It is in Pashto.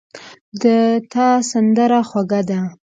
د تا سندره خوږه ده